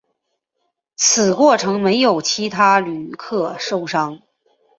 此过程没有其他旅客受伤。